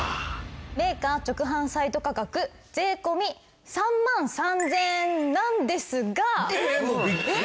メーカー直販サイト価格税込３万３０００円なんですが。えっ！？